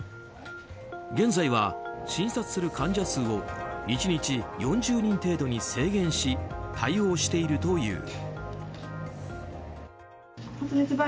現在は、診察する患者数を１日４０人程度に制限し対応しているという。